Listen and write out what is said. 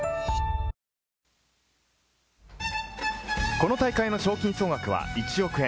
この大会の賞金総額は１億円。